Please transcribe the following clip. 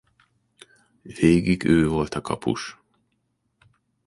Végig ő volt a kapus.